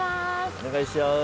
お願いします。